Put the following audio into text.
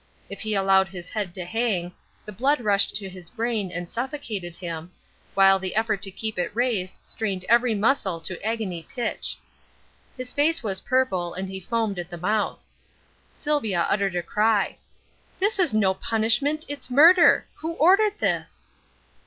If he allowed his head to hang, the blood rushed to his brain, and suffocated him, while the effort to keep it raised strained every muscle to agony pitch. His face was purple, and he foamed at the mouth. Sylvia uttered a cry. "This is no punishment; it's murder! Who ordered this?"